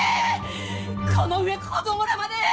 この上子供らまで！